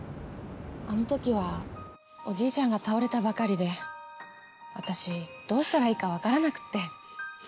あの時はおじいちゃんが倒れたばかりで私どうしたらいいか分からなくて。